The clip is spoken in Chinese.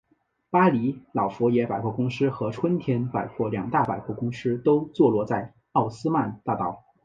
巴黎老佛爷百货公司和春天百货两大百货公司都坐落在奥斯曼大道。